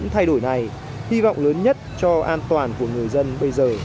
thay đổi này hy vọng lớn nhất cho an toàn của người dân bây giờ